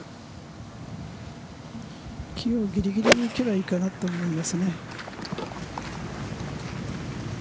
木をぎりぎりにいけばいいかなと思いますね。